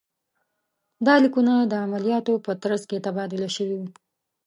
دا لیکونه د عملیاتو په ترڅ کې تبادله شوي وو.